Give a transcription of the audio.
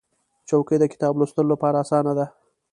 چوکۍ د کتاب لوستلو لپاره اسانه ده.